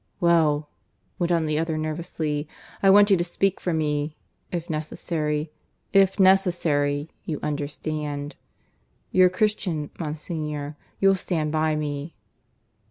"Well," went on the other nervously, "I want you to speak for me, if necessary if necessary, you understand? You're a Christian, Monsignor. .. You'll stand by me."